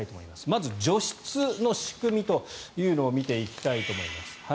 まず、除湿の仕組みというのを見ていきたいと思います。